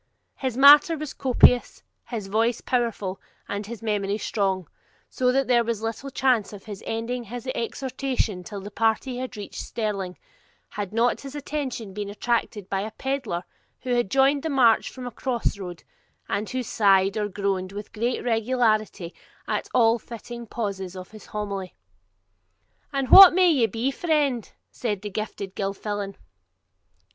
His matter was copious, his voice powerful, and his memory strong; so that there was little chance of his ending his exhortation till the party had reached Stirling, had not his attention been attracted by a pedlar who had joined the march from a cross road, and who sighed or groaned with great regularity at all fitting pauses of his homily. 'And what may ye be, friend?' said the Gifted Gilfillan.